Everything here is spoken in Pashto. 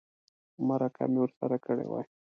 مرکه مې ورسره کړې وای.